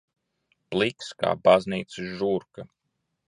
Pliks kā baznīcas žurka.